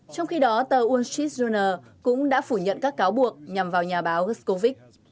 trong khi đó tờ wall street journal cũng đã phủ nhận các cáo buộc nhằm vào nhà báo kukovic